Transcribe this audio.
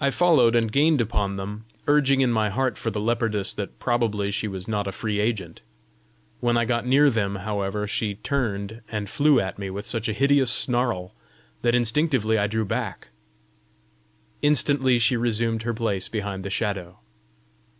I followed and gained upon them, urging in my heart for the leopardess that probably she was not a free agent. When I got near them, however, she turned and flew at me with such a hideous snarl, that instinctively I drew back: instantly she resumed her place behind the Shadow.